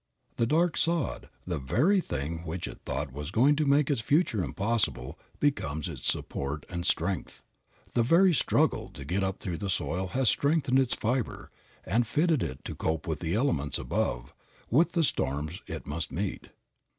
The dark sod, the very thing which it thought was going to make its future impossible, becomes its support and strength. The very struggle to get up through the soil has strengthened its fiber and fitted it to cope with the elements above, with the storms it must meet.